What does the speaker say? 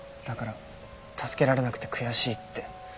だから助けられなくて悔しいって。